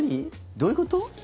どういうこと？